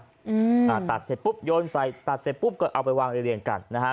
อืมอ่าตัดเสร็จปุ๊บโยนใส่ตัดเสร็จปุ๊บก็เอาไปวางเรียงกันนะฮะ